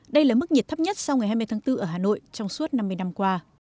đây là mức nhiệt thấp nhất sau ngày hai mươi tháng bốn ở hà nội trong suốt năm mươi năm qua